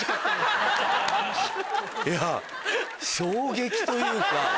いや衝撃というか。